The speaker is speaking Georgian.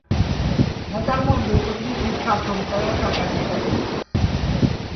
ნაწარმოები ეკუთვნის დიდ ქართველ მწერალს, აკაკი წერეთელს.